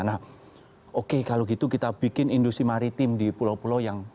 nah oke kalau gitu kita bikin industri maritim di pulau pulau yang